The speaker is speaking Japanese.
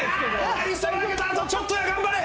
あとちょっとや、頑張れ！